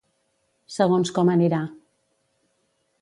Segons com anirà.